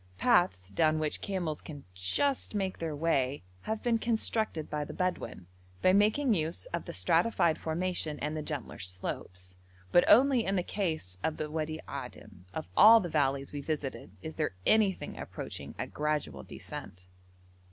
Paths down which camels can just make their way have been constructed by the Bedouin, by making use of the stratified formation and the gentler slopes; but only in the case of the Wadi Adim, of all the valleys we visited, is there anything approaching a gradual descent.